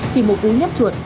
chỉ một úi nhấp chuột